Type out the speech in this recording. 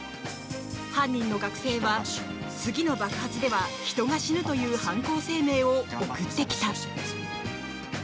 犯人の学生は次の爆発では人が死ぬという犯行声明を送ってきた。